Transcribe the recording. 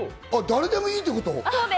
誰でもいいってこと？